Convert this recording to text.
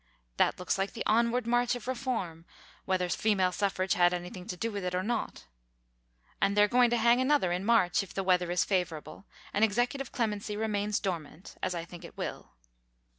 That looks like the onward march of reform, whether female suffrage had anything to do with it or not. And they're going to hang another in March if the weather is favorable and executive clemency remains dormant, as I think it will.